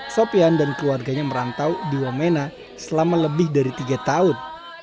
sopian dan keluarganya merantau di wamena selama lebih dari tiga tahun